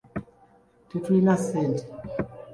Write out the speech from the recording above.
Tetuyina ssente.